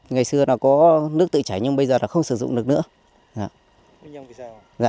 ngày xưa có nước tự chảy nhưng bây giờ không sử dụng được nữa